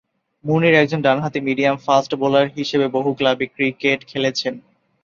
মুনির একজন ডানহাতি medium fast bowler হিসেবে বহু ক্লাবে ক্রিকেট খেলেছেন।